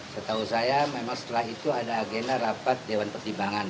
setahu saya memang setelah itu ada agenda rapat dewan pertimbangan